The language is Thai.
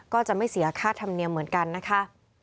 ก็จะไม่เสียค่าธรรมเนียมเหมือนกันนะคะ